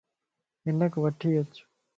ھنک وڻھي اچ